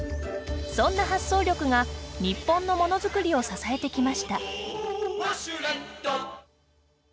そんな発想力が日本のモノづくりを支えてきました。